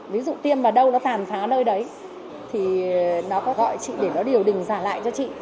ví dụ tiêm vào đâu nó tàn phá nơi đấy thì nó có gọi chị để nó điều đình giả lại cho chị